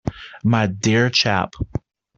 My dear chap!